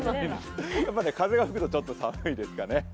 ま、風が吹くとちょっと寒いですかね。